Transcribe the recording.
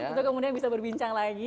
untuk kemudian bisa berbincang lagi